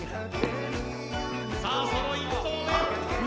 さぁその１投目。